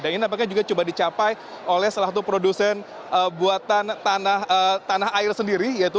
dan ini namanya juga coba dicapai oleh salah satu produsen buatan tanah air sendiri